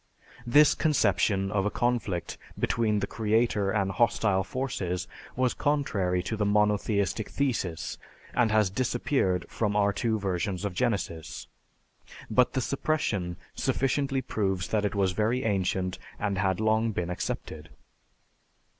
This conception of a conflict between the creator and hostile forces was contrary to the monotheistic thesis, and has disappeared from our two versions of Genesis; but the suppression sufficiently proves that it was very ancient and had long been accepted."